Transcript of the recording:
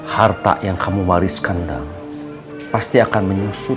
harta yang kamu wariskan dang pasti akan menyusut